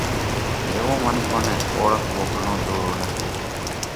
ھيوون منکون نئہ اوۯکوو گھڻو ۮورو نٿِي،